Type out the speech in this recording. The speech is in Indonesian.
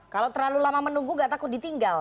kalau terlalu lama menunggu gak takut ditinggal